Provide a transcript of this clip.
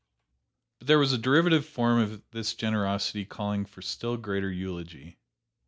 "But there was a derivative form of this generosity calling for still greater eulogy.